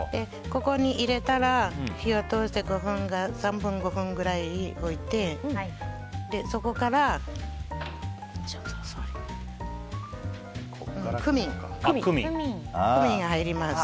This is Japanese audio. ここに入れたら火を通して３分、５分くらい置いてそこからクミンが入ります。